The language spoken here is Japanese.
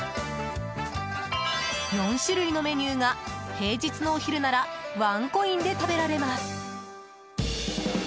４種類のメニューが平日のお昼ならワンコインで食べられます。